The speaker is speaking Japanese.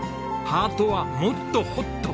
ハートはもっとホット！